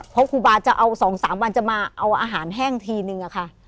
เพราะครูบาจะเอา๒๓วันจะมาเอาอาหารแห้งทีนึงอะค่ะ